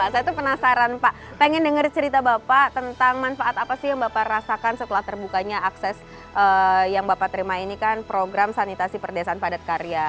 saya tuh penasaran pak pengen denger cerita bapak tentang manfaat apa sih yang bapak rasakan setelah terbukanya akses yang bapak terima ini kan program sanitasi perdesaan padat karya